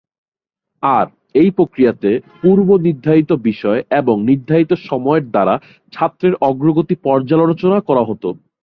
আর এই প্রক্রিয়াতে পূর্ব নির্ধারিত বিষয় এবং নির্ধারিত সময়ের দ্বারা ছাত্রের অগ্রগতি পর্যালোচনা করা হতো।